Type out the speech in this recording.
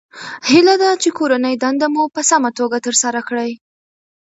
هیله ده چې کورنۍ دنده مو په سمه توګه ترسره کړئ